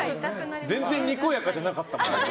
全然にこやかじゃなかった。